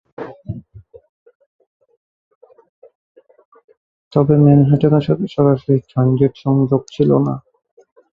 তবে ম্যানহাটনের সাথে সরাসরি ট্রানজিট সংযোগ ছিল না।